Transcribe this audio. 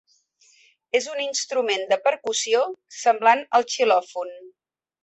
És un instrument de percussió semblant al xilòfon.